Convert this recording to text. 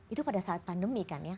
itu pada saat pandemi kan ya